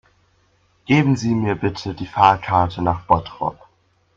Geben Sie mir bitte die Fahrkarte nach Bottrop